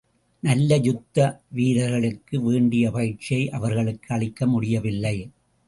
நல்ல யுத்த வீரர்களுக்கு வேண்டிய பயிற்சியை அவர்களுக்கு அளிக்கமுடியவில்லை.